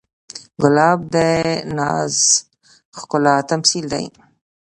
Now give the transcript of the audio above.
ګلاب د ناز ښکلا تمثیل دی.